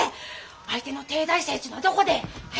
相手の帝大生っちゅうのはどこでえ？